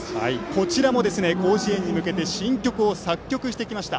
こちらも甲子園に向けて新曲を作曲してきました。